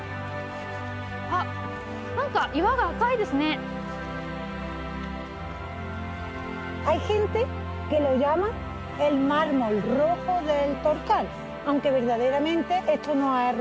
あっ何か岩が赤いですね。